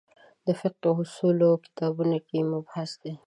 د فقهې اصولو کتابونو کې مبحث دی.